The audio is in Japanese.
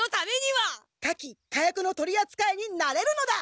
火器火薬の取りあつかいになれるのだ！